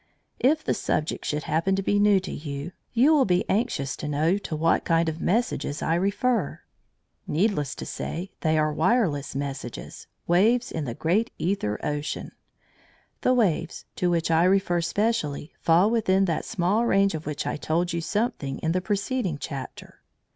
If the subject should happen to be new to you, you will be anxious to know to what kind of messages I refer. Needless to say, they are wireless messages waves in the great æther ocean. The waves, to which I refer specially, fall within that small range of which I told you something in the preceding chapter.